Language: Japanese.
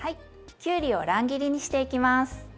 きゅうりを乱切りにしていきます。